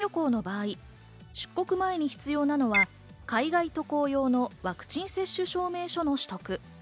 例えばハワイ旅行の場合、出国前に必要なのは海外渡航用のワクチン接種証明書の取得。